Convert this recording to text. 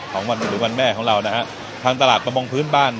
วันหรือวันแม่ของเรานะฮะทางตลาดประมงพื้นบ้าน